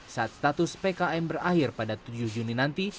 saat status pkm berakhir pada tujuh juni nanti